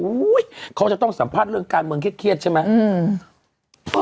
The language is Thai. เขาจะต้องสัมภาษณ์เรื่องการเมืองเครียดใช่ไหม